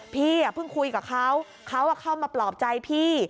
พี่เพิ่งคุยกับเขาเขาเข้ามาปลอบใจพี่